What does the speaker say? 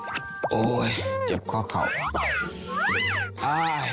โอ๊ยโอ๊ยเจ็บข้อเข่า